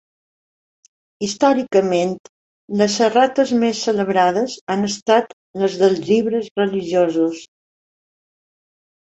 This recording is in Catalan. Històricament, les errates més celebrades han estat les dels llibres religiosos.